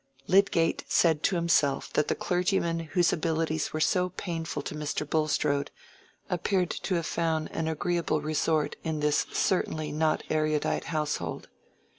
Lydgate said to himself that the clergyman whose abilities were so painful to Mr. Bulstrode, appeared to have found an agreeable resort in this certainly not erudite household.